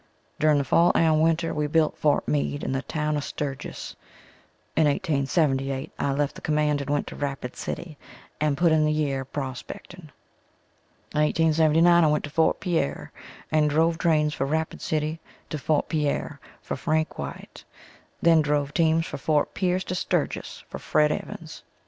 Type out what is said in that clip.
During the fall and winter we built Fort Meade and the town of Sturgis. In 1878 I left the command and went to Rapid city and put in the year prospecting. In 1879 I went to Fort Pierre and drove trains from Rapid city to Fort Pierre for Frank Wite then drove teams from Fort Pierce to Sturgis for Fred. Evans.